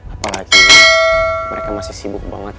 apalagi mereka masih sibuk banget